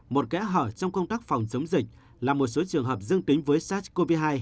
một kẽ hở trong công tác phòng chống dịch là một số trường hợp dương tính với sars cov hai